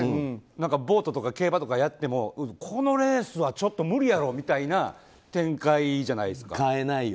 ボートとか競馬とかやっててもこのレースはちょっと無理やろみたいな展開じゃないですか。